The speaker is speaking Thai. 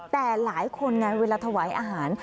แต่หลายคนไงเวลาถวายอาหาร